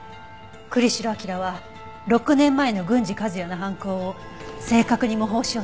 栗城明良は６年前の郡司和哉の犯行を正確に模倣しようとしていたわ。